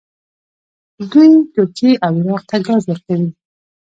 دوی ترکیې او عراق ته ګاز ورکوي.